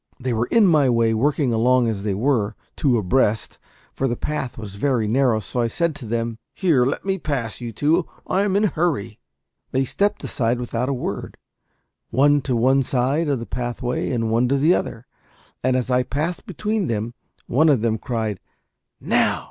They were in my way, working along as they were, two abreast, for the path was very narrow; so I said to them "Here, let me pass, you two; I am in a hurry!" They stepped aside without a word, one to one side of the pathway and one to the other; and as I passed between them one of them cried, "Now!"